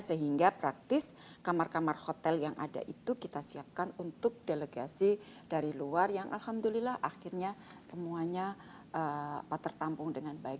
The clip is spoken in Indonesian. sehingga praktis kamar kamar hotel yang ada itu kita siapkan untuk delegasi dari luar yang alhamdulillah akhirnya semuanya tertampung dengan baik